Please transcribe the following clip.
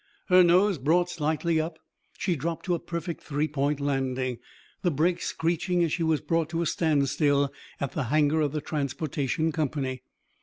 Her nose brought slightly up, she dropped to a perfect three point landing, the brakes screeching as she was brought to a standstill at the hangar of the transportation company.